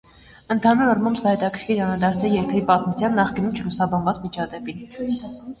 Ընդհանուր առմամբ, սա հետաքրքիր անդրադարձ է երկրի պատմության՝ նախկինում չլուսաբանված միջադեպին։